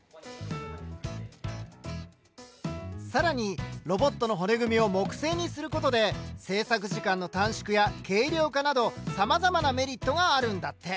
更にロボットの骨組みを木製にすることで製作時間の短縮や軽量化などさまざまなメリットがあるんだって。